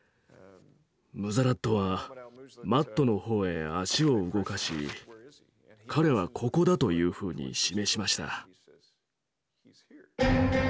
ムザラットはマットの方へ足を動かし「彼はここだ」というふうに示しました。